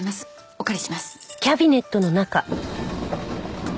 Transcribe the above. お借りします。